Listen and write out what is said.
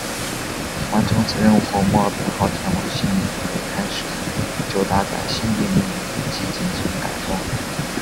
完成此任务后墨尔本号前往悉尼准备开始就搭载新定翼机进行改装。